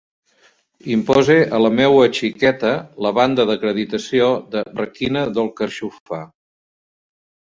Impose a la meua xiqueta la banda d'acreditació de 'Requina del Carxofar'.